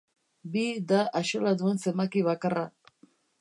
Bi da axola duen zenbaki bakarra.